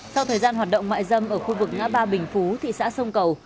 sau thời gian hoạt động mại dâm ở khu vực ngã ba bình phú thị xã sông cầu